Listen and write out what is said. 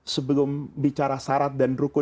sebelum bicara syarat dan rukun